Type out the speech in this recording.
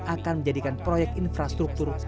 akan menjadikan proyek infrastruktur